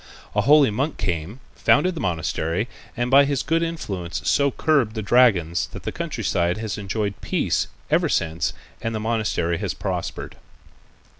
A holy monk came, founded the monastery, and by his good influence so curbed the dragons that the country side has enjoyed peace ever since and the monastery has prospered.